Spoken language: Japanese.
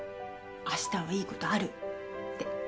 明日はいいことあるって。